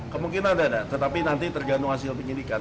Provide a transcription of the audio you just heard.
kemungkinan ada tetapi nanti tergantung hasil penyidikan